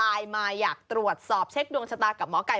มาอยากตรวจสอบเช็คดวงชะตากับหมอไก่